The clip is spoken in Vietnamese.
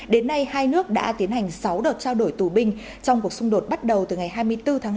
đến nay hai nước đã tiến hành sáu đợt trao đổi tù binh trong cuộc xung đột bắt đầu từ ngày hai mươi bốn tháng hai